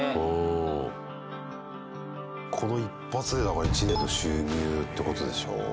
この１発で、だから１年の収入ってことでしょう？